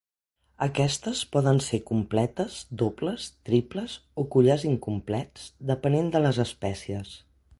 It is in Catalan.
Aquestes poden ser completes, dobles, triples o collars incomplets, depenent de les espècies.